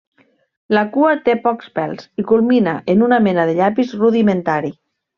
La cua té pocs pèls i culmina en una mena de llapis rudimentari.